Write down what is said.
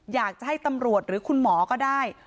อยากจะให้ตำรวจหรือคุณหมอก็ได้